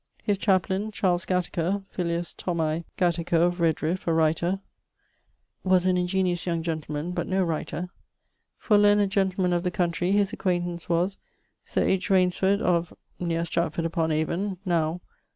His chaplaine, Charles Gataker, (filius Gataker of Redriff, a writer), was an ingeniose young gentleman, but no writer. For learned gentlemen of the country, his acquaintance was Sir H. Rainesford, of ... neer Stratford upon Avon, now